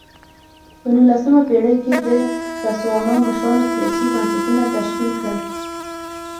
په نولسمه پېړۍ کې د تسوانا مشرانو سیاسي بنسټونه تشکیل کړل.